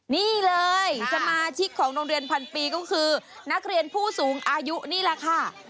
นี่เลยสมาชิกของโรงเรียนพันปีก็คือนักเรียนผู้สูงอายุนี่แหละค่ะ